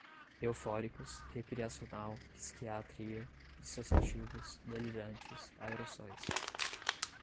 eufóricos, recreacional, psiquiatria, dissociativos, delirantes, aerossóis